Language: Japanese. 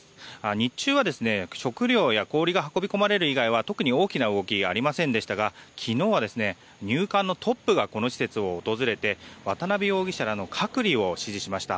日中は、食料や氷が運び込まれる以外は特に大きな動きはありませんでしたが昨日は、入管のトップがこの施設を訪れて渡邉容疑者らの隔離を指示しました。